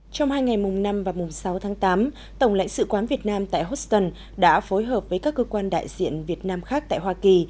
trong hai ngày mùng năm và mùng sáu tháng tám tổng lãnh sự quán việt nam tại houston đã phối hợp với các cơ quan đại diện việt nam khác tại hoa kỳ